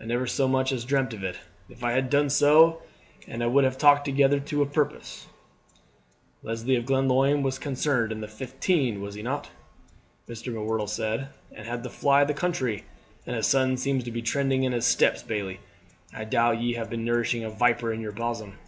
"I never so much as dreamt of it. If I had done so he and I would have talked together to a purpose." "Leslie of Glenlyon was concerned in the '15, was he not?" Mr. M'Whirtle said; "and had to fly the country; and his son seems to be treading in his steps, bailie. I doubt ye have been nourishing a viper in your bosom."